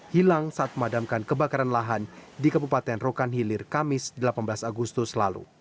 hilang saat memadamkan kebakaran lahan di kabupaten rokan hilir kamis delapan belas agustus lalu